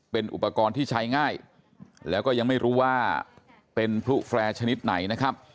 เป็นอุปกรณ์ที่ใช้ง่ายแล้วก็ยังไม่รู้ว่าเป็นพลุแฟร์ชนิดไหนนะครับ